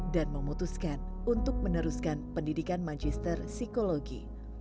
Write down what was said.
dan memutuskan untuk meneruskan pendidikan magister psikologi